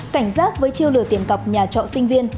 cảnh giác với chiêu lừa tiền cọc nhà trọ sinh viên